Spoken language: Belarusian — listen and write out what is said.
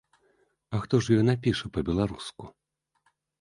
А хто ж ёй напіша па-беларуску?